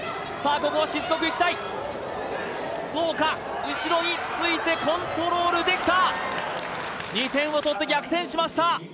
ここはしつこくいきたいどうか後ろについてコントロールできた２点を取って逆転しました